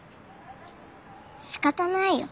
しかたないよ。